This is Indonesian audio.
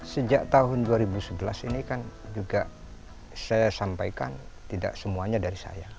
sejak tahun dua ribu sebelas ini kan juga saya sampaikan tidak semuanya dari saya